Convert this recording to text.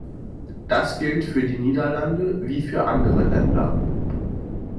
Das gilt für die Niederlande wie für andere Länder.